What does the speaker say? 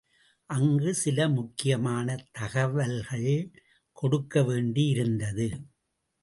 அங்கு சில முக்கியமான தகவல்கள் கொடுக்கவேண்டியிருந்தது.